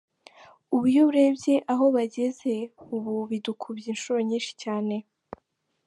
Ubu iyo urebye aho bageze ubu bidukubye inshuro nyinshi cyane.